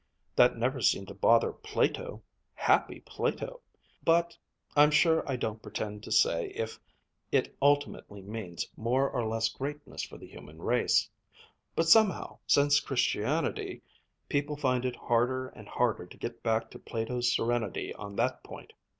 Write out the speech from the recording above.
That never seemed to bother Plato happy Plato! but I'm sure I don't pretend to say if it ultimately means more or less greatness for the human race but somehow since Christianity, people find it harder and harder to get back to Plato's serenity on that point.